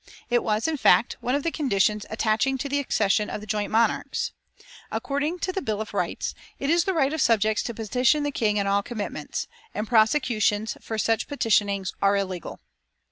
It was, in fact, one of the conditions attaching to the accession of the joint monarchs. According to the Bill of Rights, "It is the right of subjects to petition the King and all commitments, and prosecutions for such petitionings are illegal."